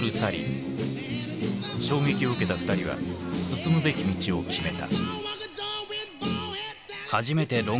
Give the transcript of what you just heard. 衝撃を受けた２人は進むべき道を決めた。